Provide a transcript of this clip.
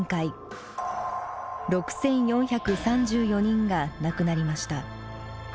６，４３４人が亡くなりました。